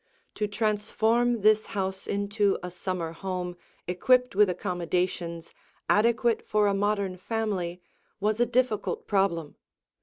To transform this house into a summer home equipped with accommodations adequate for a modern family, was a difficult problem.